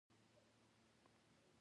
د خاورې سمه کرکيله ښه حاصل تضمینوي.